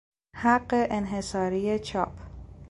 حق انحصاری چاپ